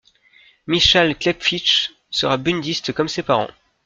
Michał Klepfisz sera bundiste comme ses parents.